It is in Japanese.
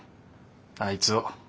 あいつを。